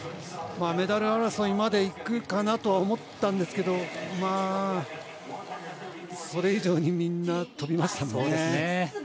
メダル争いまでいくかなと思ったんですけどそれ以上にみんな飛びましたからね。